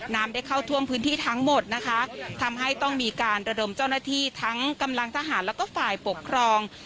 ได้เข้าท่วมพื้นที่ทั้งหมดนะคะทำให้ต้องมีการระดมเจ้าหน้าที่ทั้งกำลังทหารแล้วก็ฝ่ายปกครอง